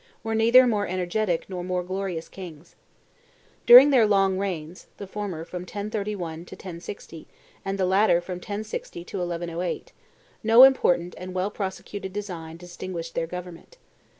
were neither more energetic nor more glorious kings. During their long reigns (the former from 1031 to 1060, and the latter from 1060 to 1108) no important and well prosecuted design distinguished their government.